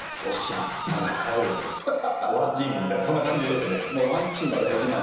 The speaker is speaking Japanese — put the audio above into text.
ワンチームみたいなそんな感じで。